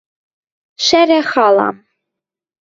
Шӓрӓ халам